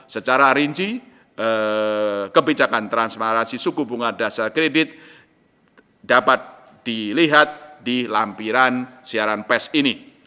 secara rinci kebijakan transparansi suku bunga dasar kredit dapat dilihat di lampiran siaran pes ini